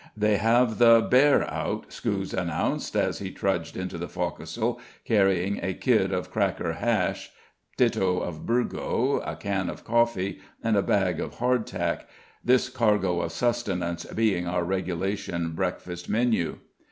"They have the 'bear' out," Scouse announced, as he trudged into the fo'c'sle carrying a "kid" of cracker hash, ditto of burgoo, a can of coffee, and a bag of hard tack, this cargo of sustenance being our regulation breakfast menu.